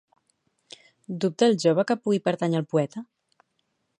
Dubta el jove que pugui pertànyer al poeta?